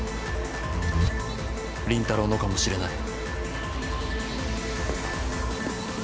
倫太郎のかもしれない。